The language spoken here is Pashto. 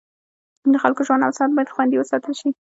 د خلکو ژوند او صحت باید خوندي وساتل شي.